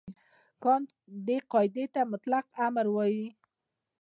کانټ دې قاعدې ته مطلق امر وايي.